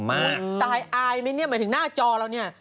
ตายอายไหมเนี่ยหมายถึงหน้าจอเราเนี่ย